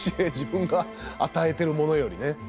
自分が与えてるものよりね。